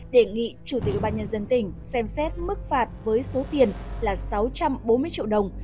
đề nghị chủ tịch ủy ban nhân dân tỉnh xem xét mức phạt với số tiền là sáu trăm bốn mươi triệu đồng